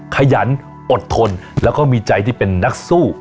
ขยันอดทนแล้วก็มีใจที่เป็นนักสู้